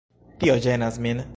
Tio ĝenas min.